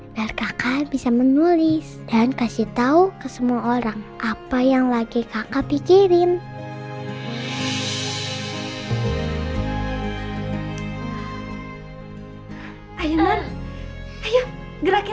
biar kakak bisa menulis dan kasih tahu ke semua orang apa yang lagi kakak pikirin